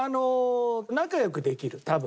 仲良くできる多分。